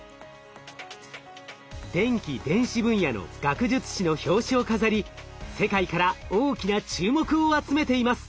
電気・電子分野の学術誌の表紙を飾り世界から大きな注目を集めています。